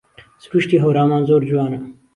سرووشتی هەورامان زۆر جوانە